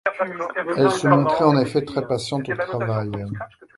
Elle se montrait, en effet, très-patiente au travail.